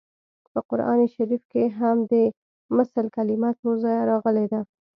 په قران شریف کې هم د مثل کلمه څو ځایه راغلې ده